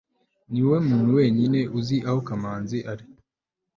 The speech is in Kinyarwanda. niwowe muntu wenyine uzi aho kamanzi ari